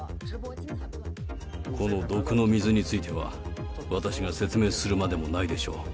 この毒の水については、私が説明するまでもないでしょう。